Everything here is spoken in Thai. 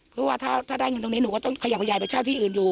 เพราะว่าถ้าได้เงินตรงนี้หนูก็ต้องขยับขยายไปเช่าที่อื่นอยู่